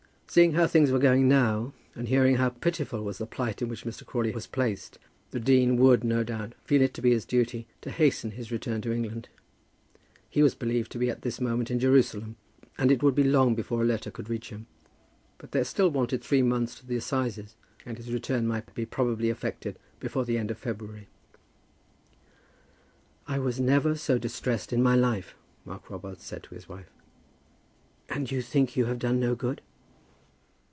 Seeing how things were going now, and hearing how pitiful was the plight in which Mr. Crawley was placed, the dean would, no doubt, feel it to be his duty to hasten his return to England. He was believed to be at this moment in Jerusalem, and it would be long before a letter could reach him; but there still wanted three months to the assizes, and his return might be probably effected before the end of February. "I never was so distressed in my life," Mark Robarts said to his wife. "And you think you have done no good?"